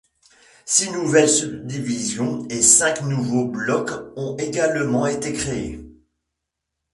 Six nouvelles subdivisions et cinq nouveaux blocs ont également été créés.